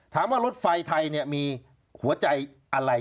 ถามว่ารถไฟไทยมีหัวใจอะไร